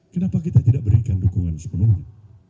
kenapa kita tidak berikan dukungan sepenuhnya